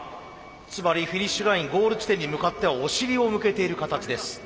つまりフィニッシュラインゴール地点に向かってはお尻を向けている形です。